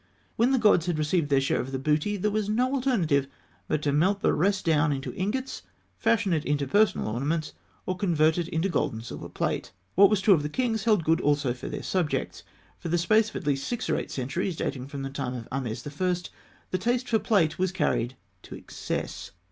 When the gods had received their share of the booty, there was no alternative but to melt the rest down into ingots, fashion it into personal ornaments, or convert it into gold and silver plate. What was true of the kings held good also for their subjects. For the space of at least six or eight centuries, dating from the time of Ahmes I., the taste for plate was carried to excess.